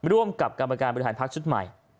ร่วมกับกรรมการบริหารพักชุดใหม่